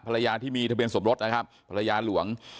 ภรรยาที่มีทะเบียนสมรสนะครับภรรยาหลวง